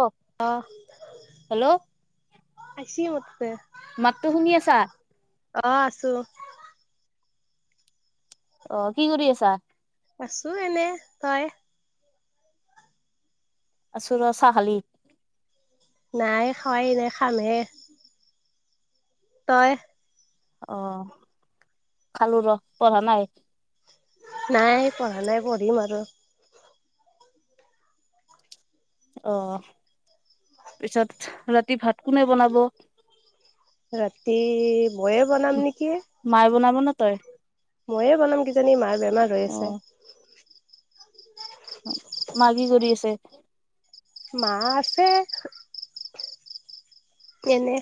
অ অ' হেল্ল' আইছি মুঠতে। মাতটো শুনি আছা? অ আছো। অ' কি কৰি আছা? আছো এনে, তই? আছোঁ ৰ, চাহ খালি? নাই খোৱাই নাই খামহে। তই? অ ', খালো ৰ, পঢ়া নাই? নাই পঢ়া নাই পঢ়িম আৰু। অ', পিছত ৰাতি ভাত কোনে বনাব? ৰাতি ময়ে বনাম নেকি। মায়ে বনাব না তই? ময়ে বনাম কিজানি মাৰ বেমাৰ হৈ অ আছে। মা কৰি আছে? মা আছে। এনে।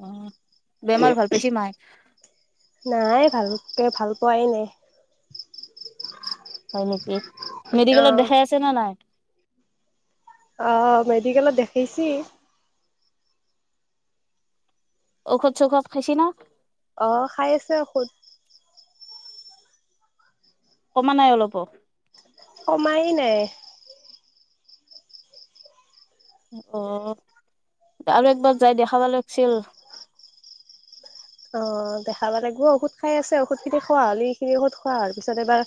অ', বেমাৰ ভাল পাইছি মায়ে? নাই ভালকে ভাল পোৱাই নাই। হয়, নেকি মেডিকেলত অ', দেখাই আছে নে নাই? অ', মেডিকেলত দেখাইছি? ঔষধ-চৌখত খাইছি নে? অ', খাই আছে ঔষধ। ক'মা নাই অলপো? কমায়েই নাই। অ', আৰু একবাৰ যাই দেখাবা লাগিছিল। অ', দেখাবা লাগিব ঔষধ খাই আছে ঔষধখিনি খোৱা হ'লি এইখিনি ঔষধ খোৱা হোৱাৰ পিছত এবাৰ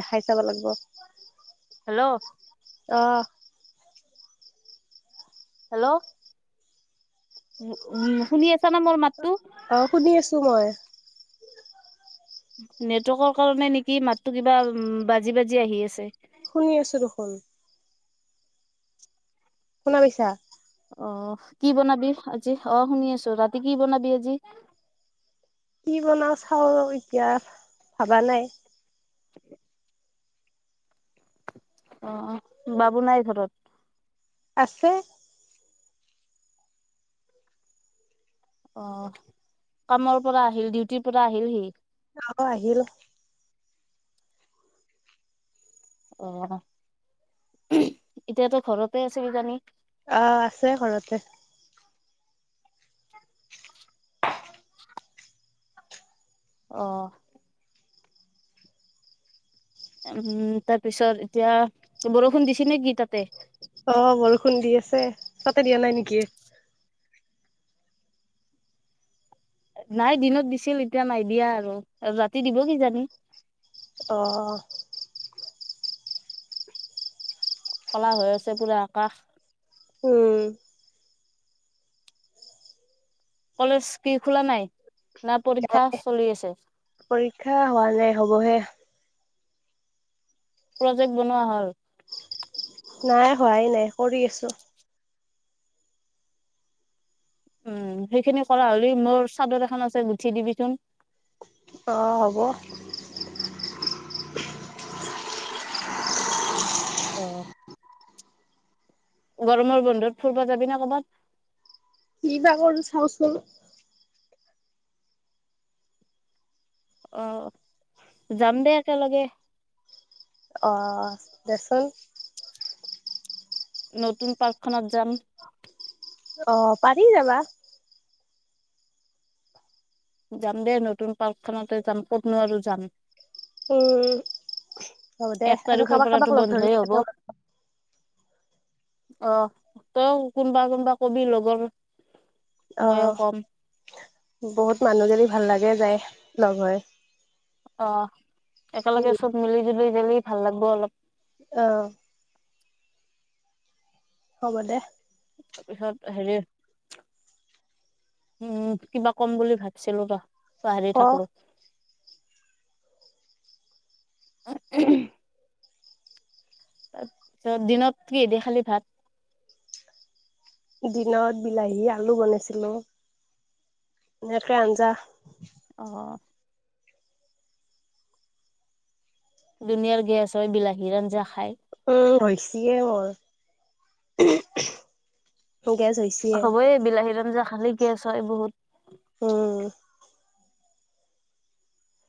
দেখাই চাবা লাগবো। হেল্ল'? অ'। হেল্ল'? উ, উম, শুনি আছো। অ', শুনি আছো মই। নেটৱৰ্কৰ কাৰণে নেকি মাতো কিবা উ, বাজি বাজি আহি আছে। শুনি আছো দেখোন। শুনা পাইছা? অ', কি বনাবি আজি। অ', শুনি আছো ৰাতি কি বনাবি আজি? কি বনাও চাও ৰ' এতিয়া ভাবা নাই। [inaudible] অ', বাবু নাই ঘৰত? আছে। অ', কামৰ পৰা আহিল, ডিউটিৰ পৰা আহিল সি? অ', আহিল। অ', এতিয়াতো ঘৰতে আছে কিজানি? অ', আছে ঘৰতে। অ'। উম, তাৰপিছত এতিয়া বৰষুণ দিছে নে কি তাতে? অ', বৰষুণ দি আছে, তাতে দিয়া নাই নেকি? নাই দিনত দিছিল এতিয়া নাই দিয়া আৰু আৰু ৰাতি দিব কি জানি। অ'। ক'লা হৈ আছে পুৰা আকাশ। উম। কলেজ কি খোলা নাই, না নাই পৰীক্ষা চলি আছে। পৰীক্ষা হোৱা নাই হ'বহে। প্ৰজেক্ট বনোৱা হ'ল। নাই হোৱাই নাই কৰি আছোঁ। উম, সেইখিনি কৰা হ'লি মোৰ চাদৰ এখন আছে গুঠি দিবিচোন। অ', হ'ব। অ', গৰমৰ বন্ধত ফুৰবা যাবি না ক'বাত? কিবা কৰো চাওচোন। উম, যাম দে একেলগে। অ', দেচোন। নতুন পাৰ্কখনত যাম। অ', পাৰি যাবা। যাম দেই নতুন পাৰ্কখনতে যাম কতনো আৰু যাম। উম হ'ব দে আৰু এক কাৰোবাক, তাৰিখৰ কাৰোবাক পৰাতো লগ বন্ধই হ'ব ধৰিম কেইটামান। অ', তই কোনোবা, কোনবা কবি লগৰ। মইও অ', কম বহুত মানুহজনী ভাল লাগে যায় লগ হয়। অ', একেলগে চব মিলি জুলি গেলি ভাল লাগিব অলপ। অ'। হ'ব দে। তাৰপিছত হেৰি উম, কিবা কম বুলি ভাবিছিলোঁ বা পাহৰি অ থাকিলোঁ। উ তাৰপিছত দিনত কিহেদি খালি ভাত। দিনত বিলাহী আলু বনাইছিলোঁ এনেকে আঞ্জা অ'। ধুনীয়াৰ গেছ হয় বিলাহীৰ আঞ্জা খাই। উ হৈছে মোৰ গেছ হৈ হ'বয়ে বিলাহী আঞ্জা খালে গেছ হয় বহুত। উম।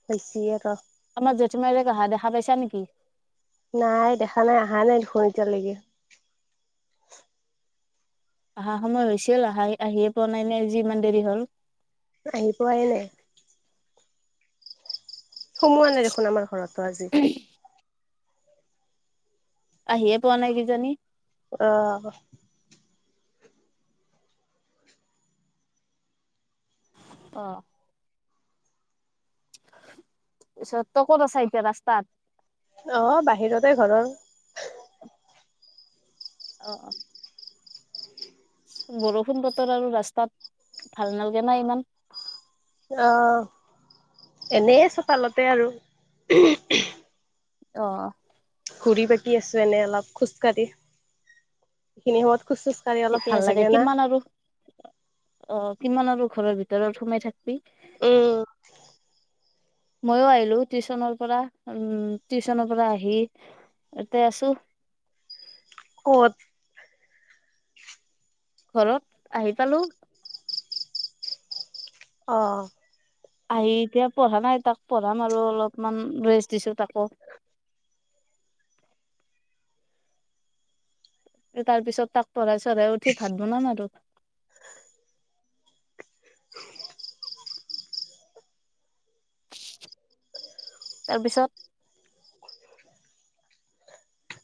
[unintelligible] আমাৰ জেঠমাৰৰে অহা দেখা পাইছা নেকি। নাই দেখা নাই অহা নাই দেখোন এতিয়ালৈকে। অহা সময় হৈছিল আহাই আহিয়ে পোৱা নাই আজি ইমান দেৰি হ'ল। আহি পোৱাই নাই। সোমোৱা নাই দেখোন আমাৰ ঘৰতো আজি। আহিয়ে পোৱা নাই কি জানি। অ'। অ'। পিছত তই ক'ত আছা এতিয়া ৰাস্তাত। অহ বাহিৰতে ঘৰৰ। অ', অ'। বৰষুণ বতৰ আৰু ৰাস্তাত ভাল নালাগে নাই ইমান। অ', এনে চোতালতে আৰু। অ'। ঘূৰি পাকি আছোঁ। এনে অলপ খোজকাঢ়ি এইখিনি সময়ত খোজ চোজ কাঢ়ি খোজকাঢ়ি অলপ ঠিকে ভাল আছে দে লাগে না। কিমান আৰু অ' কিমান আৰু ঘৰৰ ভিতৰত সোমাই থাকিবি। উম। [inaudible] মইয়ো আহিলোঁ টিউশ্যন পৰা উম টিউশ্যন পৰা আহি এইয়াতে আছোঁ। ক'ত? ঘৰত আহি পালোঁ। অ'অ' আহি এতিয়া পঢ়া নাই তাক পঢ়াম আৰু অলপমান ৰেষ্ট দিছোঁ তাকো। তাৰ পিছত তাক পঢ়াই চঢ়াই আৰু উঠি ভাত বনাম আৰু [unintelligible] [unintelligible] তাৰপিছত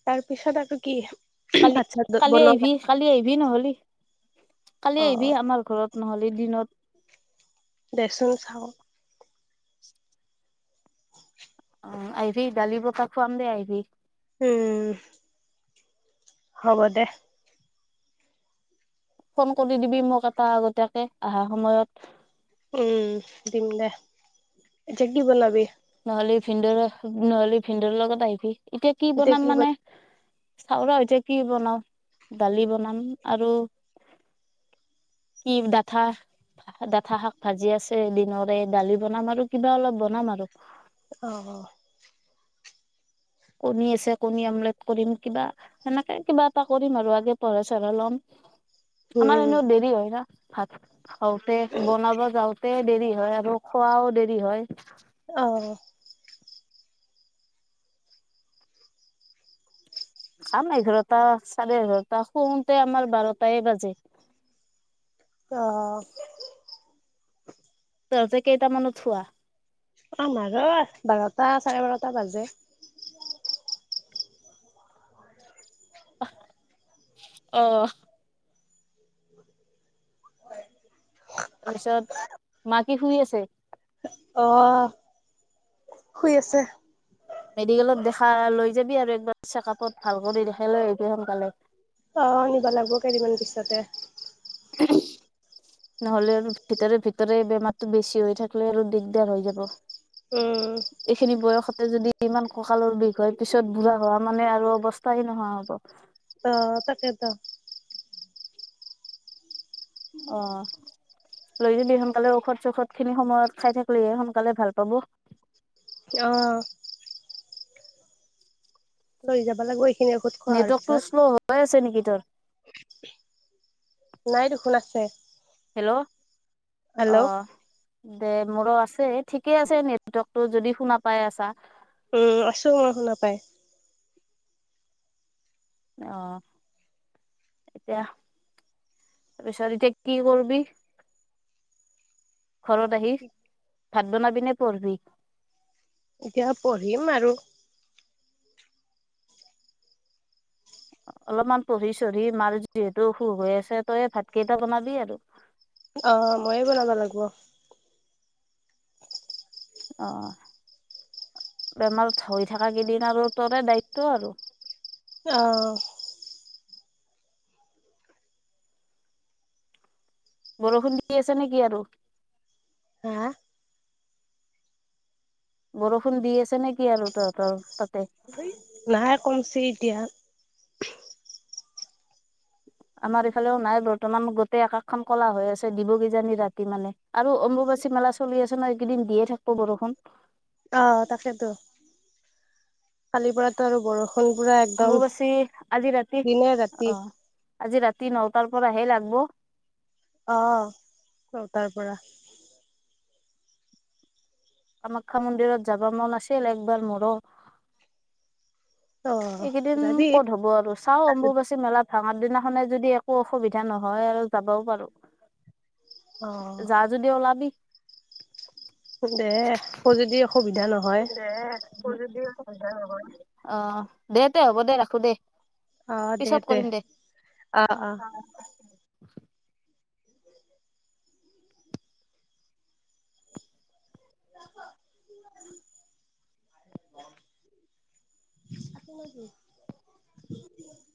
তাৰ পিছত আৰু কি কালি ভাত চাত কালি আহিবি বনোৱাত। কালি আহিবি নহলি, কালি অ আহিবি আমাৰ ঘৰত নহলি দিনত। দেচোন চাওঁ। আহিবি দালি বঁটা খুৱাম দে আহিবি। উম। হ'ব দে। ফোন কৰি দিবি মোক এটা আগতীয়াকে অহা সময়ত। উম, দিম দে, এতিয়া কি বনাবি? নহলি ভিন্দৰ, নহলি ভিনন্দৰ লগত আহিবি, এতিয়া কি বনাম মানে চাওঁ ৰহ এতিয়া কি বনাওঁ দালি বনাম আৰু কি ডাথা ডাঠা শাক ভাজি আছে দিনৰে দালি বনাম আৰু কিবা অলপ বনাম আৰু অ' কণী আছে কণী অমলেট কৰিম। কিবা সেনেকে কিবা এটা কৰিম আৰু আগে পঢ়া চঢ়াই ল'ম। আমাৰ উম এনেও দেৰি হয় না, ভাত খাওঁতে, বনাব যাওঁতে। দেৰি হয় আৰু খোৱাও দেৰি হয়। অ' খাম এঘাৰটা চাৰে এঘাৰটা শুওঁতে আমাৰ বাৰটায় বাজে। অহ' তহঁতে কেইটামানত শুৱা? আমাৰৰো বাৰটা চাৰে বাৰটা বাজে। অ' তাৰপিছত মা কি শুই আছে? অ' শুই আছে। মেডিকেলত দেখা লৈ যাবি আৰু একবাৰ চেকআপত ভাল কৰি দেখাই লৈ আহিবি সোনকালে। অ' নিবা লাগিব কেইদিনমান পিছতে। [inaudible] নহ'লে আৰু ভিতৰে ভিতৰে বেমাৰতটো বেছি হৈ থাকিলে আৰু দিগদাৰ হৈ যাব। উম। এইখিনি বয়সতে যদি ইমান কঁকালৰ বিষ হয় পিছত বুঢ়া হোৱা মানে আৰু অৱস্থাহে নোহোৱা হ'ব। অ তাকেত অ লৈ যাবি সোনকালে ঔষধ চৌষধ খিনি সময়ত খাই থাকিলেহে সোনকালে ভাল পাব। অ লৈ যাব লাগিব এইখিনি ঔষধ খোৱা হোৱাৰ নেটৱৰ্কটো পিছত শ্ল' হৈ আছে নেকি তৰ? নাই দেখোন আছে। হেল্ল' অ হেল্ল' দে মোৰো আছে। ঠিকে আছে নেটৱৰ্ক টো যদি শুনা পাই আছা। উম আছোঁ মই শুনা পাই। অ এতিয়া পিছত এতিয়া কি কৰবি? ঘৰত আহি ভাত বনাবি নে পঢ়বি? এতিয়া পঢ়িম আৰু অলপমান পঢ়ি চঢ়ি মাৰ যিহেতু অসুখ হৈ আছে তইয়ে ভাত কেইটা বনাবি আৰু। অ মইয়ে বনাব লাগিব। অ বেমাৰ হৈ থকা কেইদিন আৰু তৰে দায়িত্ব আৰু। অ বৰষুণ দি আছে নেকি আৰু? হা বৰষুণ দি আছে নেকি আৰু তহঁতৰ তাতে? [unintelligible] নাহে কমছে এতিয়া। আমাৰ এইফালেও নাই বৰ্তমান গোটেই আকাশখন কলা হৈ আছে ডিব কি জানী ৰাতি মানে। আৰু অম্বুবাচী মেলা চলি আছে ন? এইকেইদিন দিয়ে থাকিব বৰষুণ। অ তাকেইেতো কালি পৰাতো আৰু বৰষুণ কালি পৰা একদম অম্বুবাচী আজি ৰাতি দিনে ৰাতি। অ আজি ৰাতি নটাৰ পৰাহে লাগব। অ চতাৰ পৰা। কামাখ্যা মন্দিৰত যাব মন আছিল একবাৰ মোৰো। অ এইকেইদিন যাবি ক'ত হ'ব আৰু চাওঁ অম্বুবাচী মেলাত ভঙাৰ দিনাখনে যদি একো অসুবিধা নহয় আৰু যাবও পাৰোঁ। অ। যদি ওলাবি। দে অ যদি অসুবিধা নহহয়। দে অ দে তে হ'ব দে ৰাখোঁ দে। পিছত কৰিম দে। অ অ [inaudible] [inaudible]